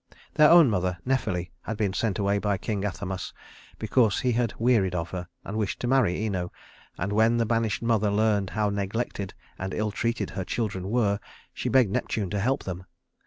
Their own mother Nephele had been sent away by King Athamas because he had wearied of her, and wished to marry Ino; and when the banished mother learned how neglected and ill treated her children were, she begged Neptune to help them.